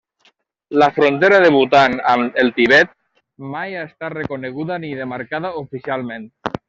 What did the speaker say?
La frontera de Bhutan amb el Tibet mai ha estat reconeguda ni demarcada oficialment.